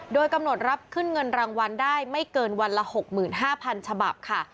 โดยกำหนดรับขึ้นเงินรางวัลได้ไม่เกินวันละ๖๕๐๐๐ฉบับค่ะ